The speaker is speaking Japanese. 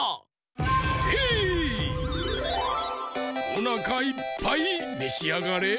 おなかいっぱいめしあがれ！